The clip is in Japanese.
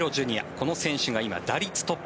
この選手が今、打率トップ。